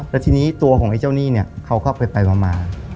แล้วทีนี้ตัวของไอ้เจ้าหนี้เนี่ยเขาก็ไปมา